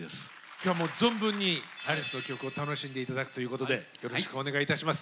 今日はもう存分にアリスの曲を楽しんで頂くということでよろしくお願いいたします。